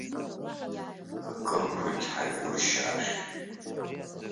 Акырқәагьы ҳаилыршьаахьеит.